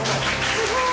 すごい。